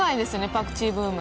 パクチーブーム。